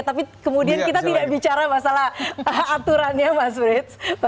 tapi kemudian kita tidak bicara masalah aturannya mas frits